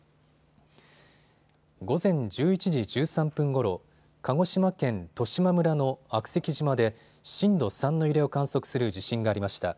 午前１１時１３分ごろ鹿児島県十島村の悪石島で震度３の揺れを観測する地震がありました。